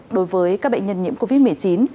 đối với các bệnh nhân nhiễm covid một mươi chín